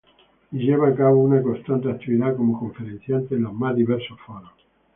Y lleva a cabo una constante actividad como conferenciante en los más diversos foros.